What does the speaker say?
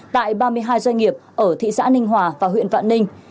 tại ba mươi hai doanh nghiệp ở thị xã ninh hòa và huyện vạn ninh